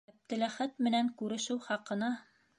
Әптеләхәт менән күрешеү хаҡына...